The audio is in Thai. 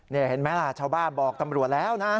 นี่เห็นไหมล่ะชาวบ้านบอกตำรวจแล้วนะ